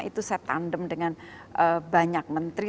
itu saya tandem dengan banyak menteri